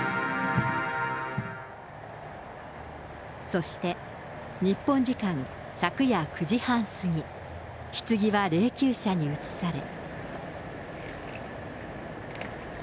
そして日本時間昨夜９時半過ぎ、ひつぎは霊きゅう車に移され。